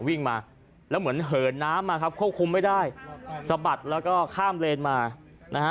วิ่งมาแล้วเหมือนเหินน้ำมาครับควบคุมไม่ได้สะบัดแล้วก็ข้ามเลนมานะฮะ